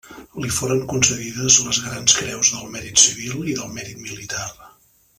Li foren concedides les Grans Creus del Mèrit Civil i del Mèrit Militar.